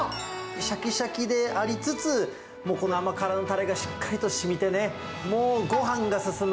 しゃきしゃきでありつつ、甘辛のたれがしっかりとしみてね、もう、ごはんが進む。